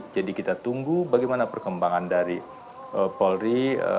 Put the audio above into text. jadi kita tunggu bagaimana perkembangan dari polri